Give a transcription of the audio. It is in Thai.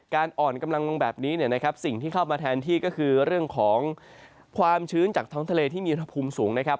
อ่อนกำลังลงแบบนี้เนี่ยนะครับสิ่งที่เข้ามาแทนที่ก็คือเรื่องของความชื้นจากท้องทะเลที่มีอุณหภูมิสูงนะครับ